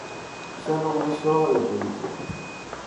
Xa non é só a biopolítica.